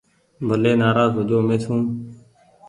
ڀلي نآراز هو جو مين سون۔